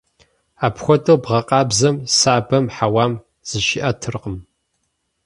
Апхуэдэу бгъэкъабзэм сабэм хьэуам зыщиӀэтыркъым.